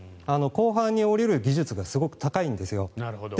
後半に降りる技術がすごく高いんですよ。